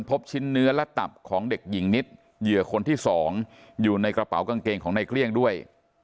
พบชิ้นเนื้อและตับของเด็กหญิงนิดเหยื่อคนที่สองอยู่ในกระเป๋ากางเกงของในเกลี้ยงด้วย